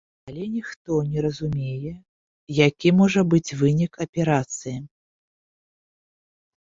Але ніхто не разумее, які можа быць вынік аперацыі.